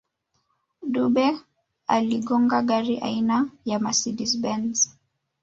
dube aliigonga gari aina ya mercedes benz